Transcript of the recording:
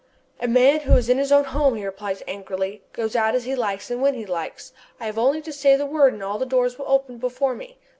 "A man who is in his own home," he replies angrily, "goes out as he likes and when he likes. I have only to say the word and all the doors will open before me.